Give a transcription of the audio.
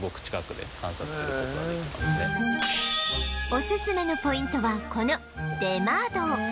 おすすめのポイントはこの出窓